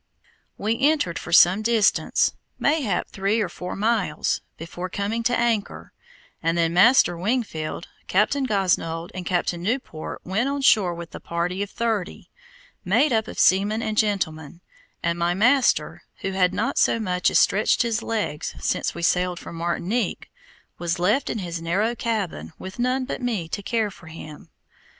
We entered for some distance, mayhap three or four miles, before coming to anchor, and then Master Wingfield, Captain Gosnold, and Captain Newport went on shore with a party of thirty, made up of seamen and gentlemen, and my master, who had not so much as stretched his legs since we sailed from Martinique, was left in his narrow cabin with none but me to care for him!